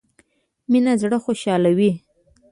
مينه زړه خوشحالوي